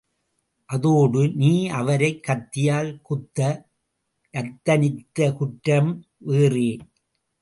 அதோடு, நீ அவரைக் கத்தியால் குத்த யத்தனித்த குற்றம் வேறே!